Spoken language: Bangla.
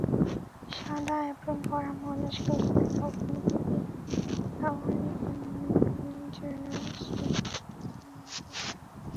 সাদা অ্যাপ্রোন পরা মানুষগুলোকে যখনই দেখি, তখনই কেমন যেন শ্রদ্ধা জাগে মনে।